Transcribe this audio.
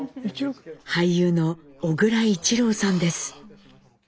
俳優の小倉一郎さんです。